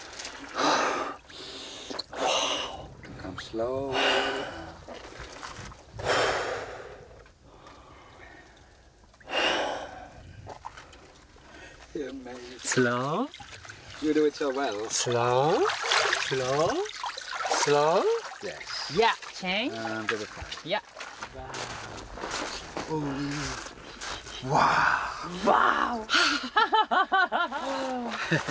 ハハハハ。